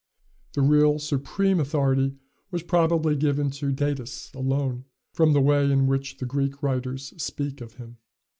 The real supreme authority was probably given to Datis alone, from the way in which the Greek writers speak of him.